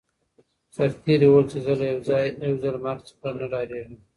سرتیري وویل چي زه له یو ځل مرګ څخه نه ډاریږم.